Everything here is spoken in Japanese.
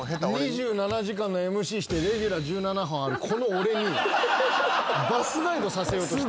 『２７時間』のＭＣしてレギュラー１７本あるこの俺にバスガイドさせようとした。